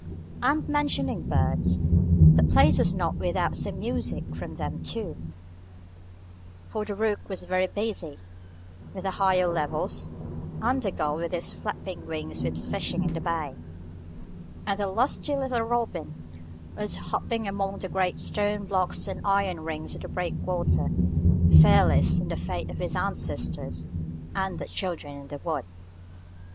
And mentioning birds, the place was not without some music from them too; for the rook was very busy on the higher levels, and the gull with his flapping wings was fishing in the bay, and the lusty little robin was hopping among the great stone blocks and iron rings of the breakwater, fearless in the faith of his ancestors, and the Children in the Wood.